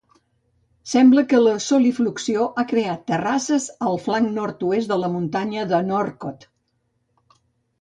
Sembla que la solifluxió ha creat terrasses al flanc nord-oest de la muntanya Northcote.